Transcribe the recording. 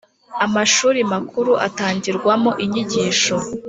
Amashuri makuru atangirwamo inyigisho